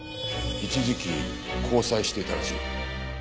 一時期交際していたらしい。